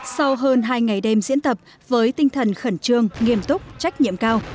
sau hơn hai ngày đêm diễn tập với tinh thần khẩn trương nghiêm túc trách nhiệm cao